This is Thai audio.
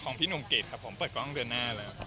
พี่หนุ่มเกรดครับผมเปิดกล้องเดือนหน้าแล้วครับ